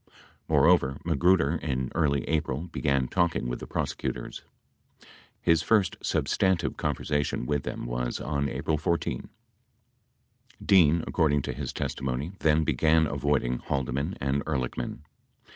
80 Moreover, Magruder in early April be gan talking with the prosecutors; his first substantive, conversation with them was on April 14. 81 Dean, according to his testimony, then began avoiding Haldeman and Ehrlichman.